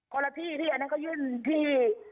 คนละพี่พี่อันนั้นเค้ายื่นที่